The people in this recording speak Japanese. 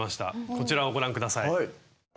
こちらをご覧下さい。